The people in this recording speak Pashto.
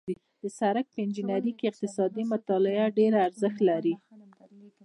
د سړک په انجنیري کې اقتصادي مطالعات ډېر ارزښت لري